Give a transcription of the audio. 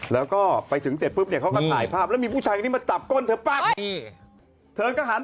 แล้วก็ไปถึงเสร็จปุ๊บเนี่ยเขาก็ถ่ายภาพแล้วมีผู้ชายคนนี้มาจับก้นเธอปั๊บเธอก็หัน